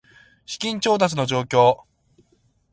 資金調達の状況